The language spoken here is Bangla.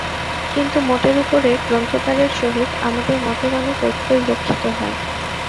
কিন্তু মোটের উপরে গ্রন্থকারের সহিত আমাদের মতের অনেক ঐক্যই লক্ষিত হয়।